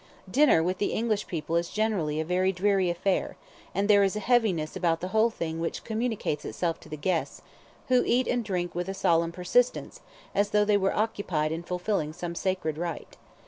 Dinner with the English people is generally a very dreary affair, and there is a heaviness about the whole thing which communicates itself to the guests, who eat and drink with a solemn persistence, as though they were occupied in fulfilling some sacred rite.